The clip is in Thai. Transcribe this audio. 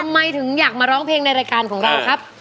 ทำไมถึงอยากมาร้องเพลงในรายการของเราครับ